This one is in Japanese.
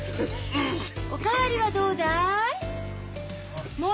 お代わりはどうだい？